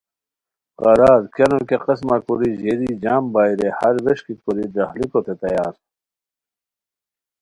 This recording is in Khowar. قرار کیہ نو کیہ قسمہ کوری ژیری جم بائے رے ہر ویݰکی کوری دراغلیکو تے تیار